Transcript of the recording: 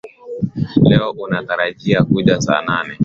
Leo natarajia kuja saa nane.